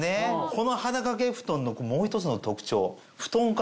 この肌掛けふとんのもう一つの特徴。